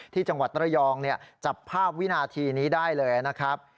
ที่จังหวัดระยองจับภาพวินาทีนี้ได้เลยนะครับ